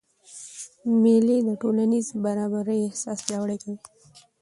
مېلې د ټولنیزي برابرۍ احساس پیاوړی کوي.